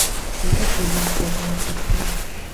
შემდეგ ბიზანტია დაეპატრონა.